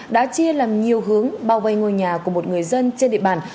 đã chia làm nhiều hướng bao vây ngôi nhà của một người dân trên địa bàn